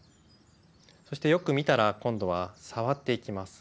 そしてよく見たら今度は触っていきます。